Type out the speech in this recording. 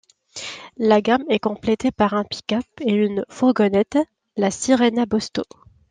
La gamme est complétée par un pick-up et une fourgonnette, la Syrena Bosto.